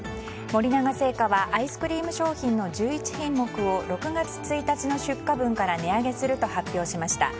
森永製菓はアイスクリーム製品の１１品目を６月１日の出荷分から値上げすると発表しました。